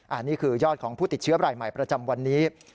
อันนี้คือยอดของผู้ติดเชื้อรายใหม่ประจำวันนี้